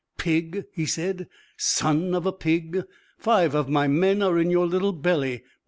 "Pig," he said. "Son of a pig! Five of my men are in your little belly!